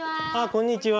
こんにちは。